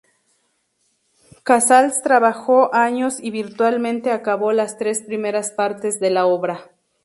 Casals trabajó años y virtualmente acabó las tres primeras partes de la obra.